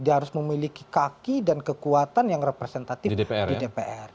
dia harus memiliki kaki dan kekuatan yang representatif di dpr